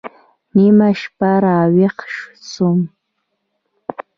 نيمه شپه راويښ سوم.